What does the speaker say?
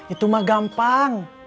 itu mah gampang